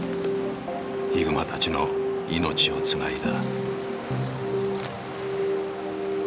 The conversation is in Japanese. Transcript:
ヒグマたちの命をつないだ。